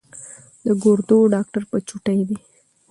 د ګردو ډاکټر په چوټۍ دی